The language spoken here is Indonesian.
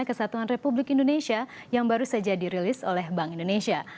kesatuan republik indonesia yang baru saja dirilis oleh bank indonesia